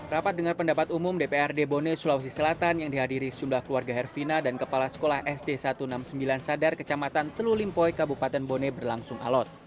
rapat dengar pendapat umum dprd bone sulawesi selatan yang dihadiri sejumlah keluarga herfina dan kepala sekolah sd satu ratus enam puluh sembilan sadar kecamatan telulimpoy kabupaten bone berlangsung alot